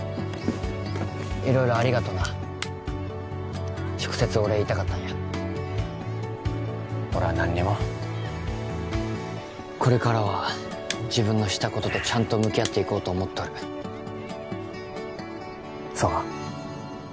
色々ありがとな直接お礼言いたかったんや俺は何にもこれからは自分のしたこととちゃんと向き合っていこうと思っとるそうか